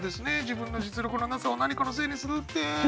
自分の実力のなさを何かのせいにするって。